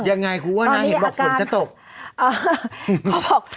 ยังไงครูว่านางเห็นบอกศูนย์จะตก